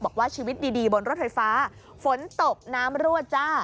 บอกว่าชีวิตดีบนรถไฟฟ้าฝนตกน้ำรั่วจ้า